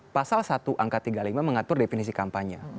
pasal satu angka tiga puluh lima mengatur definisi kampanye